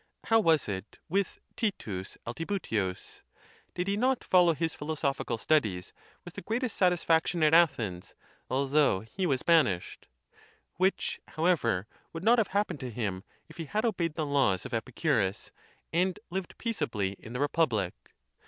How was it with T. Altibutius? Did he not follow his philosoph ical studies with the greatest satisfaction at Athens, al though he was banished ? which, however, would not have happened to him if he had obeyed the laws of Epicurus and lived peaceably in the republic.